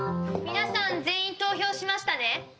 皆さん全員投票しましたね？